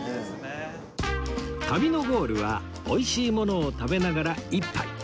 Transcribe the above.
旅のゴールはおいしいものを食べながら一杯